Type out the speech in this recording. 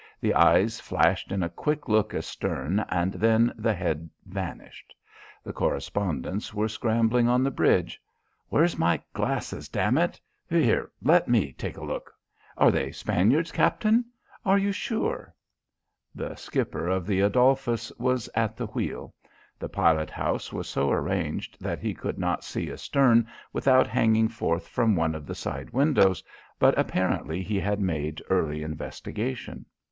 The eyes flashed in a quick look astern and then the head vanished. The correspondents were scrambling on the bridge. "Where's my glasses, damn it? Here let me take a look. Are they Spaniards, Captain? Are you sure?" The skipper of the Adolphus was at the wheel. The pilot house was so arranged that he could not see astern without hanging forth from one of the side windows, but apparently he had made early investigation.